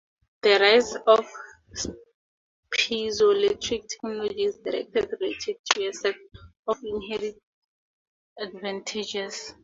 The rise of piezoelectric technology is directly related to a set of inherent advantages.